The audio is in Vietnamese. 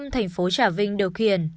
tp trà vinh điều khiển